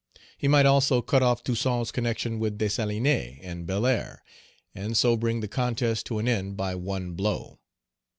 He might also cut off Toussaint's connection with Dessalines and Belair, and so bring the contest to an end by one blow.